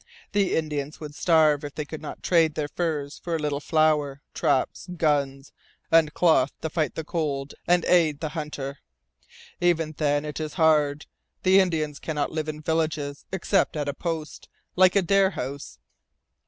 The Indians would starve if they could not trade their furs for a little flour, traps, guns, and cloth to fight the cold and aid the hunter. Even then it is hard. The Indians cannot live in villages, except at a post, like Adare House.